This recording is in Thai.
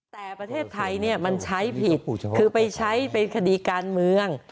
แต่ประเทศไทยมันใช้ผิดคือไปใช้เป็นคดีการเมือง